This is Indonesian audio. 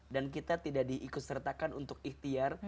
dan kita tidak diikut sertakan untuk ikhtiar